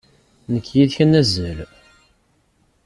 Nekk d yid-k ad nazzel.